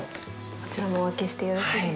こちらもお開けしてよろしいですか。